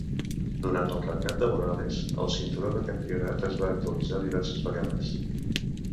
Durant el regnat de Morales, el cinturó de campionat es va actualitzar diverses vegades.